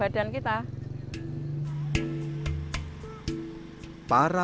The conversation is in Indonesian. dan juga untuk menjaga keamanan